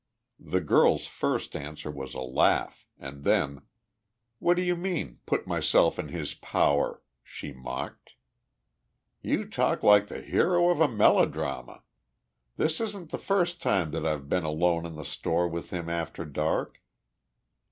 The girl's first answer was a laugh, and then, "What do you mean, 'put myself in his power'?" she mocked. "You talk like the hero of a melodrama. This isn't the first time that I've been alone in the store with him after dark.